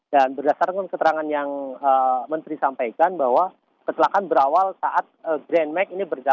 dan juga berdasarkan keterangan yang disampaikan oleh menteri pmk muhajir effendi bahwa seluruh korban kesalahan yang meninggal dunia adalah penumpang dan sopir dari minibus grand max